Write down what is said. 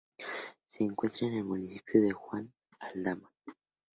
Se encuentra en el municipio de Juan Aldama.